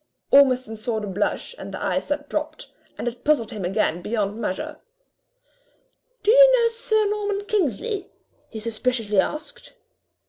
Ormiston saw the blush and the eyes that dropped, and it puzzled him again beyond measure. "Do you know Sir Norman Kingsley?" he suspiciously asked.